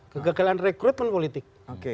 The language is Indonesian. kegagalan rekrutmen politik